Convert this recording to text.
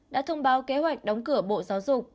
đã thông báo kế hoạch đóng cửa bộ giáo dục